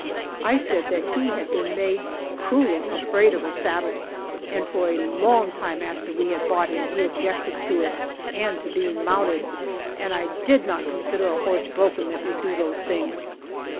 I said that he had been made cruelly afraid of a saddle, and for a long time after we had bought him, he objected to it and to being mounted, and I did not consider a horse broken that would do those things.